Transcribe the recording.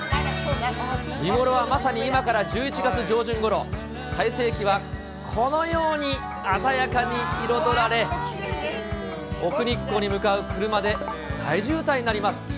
見頃はまさに今から１１月上旬ごろ、最盛期はこのように鮮やかに彩られ、奥日光に向かう車で大渋滞になります。